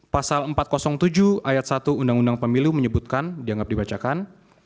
pasal empat ratus tujuh ayat satu undang undang pemilu menyebutkan dianggap dibacakan